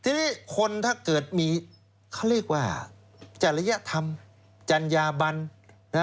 ทีนี้คนถ้าเกิดมีเขาเรียกว่าจริยธรรมจัญญาบัน